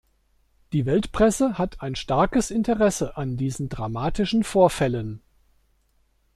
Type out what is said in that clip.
Die Weltpresse hat ein starkes Interesse an diesen dramatischen Vorfällen.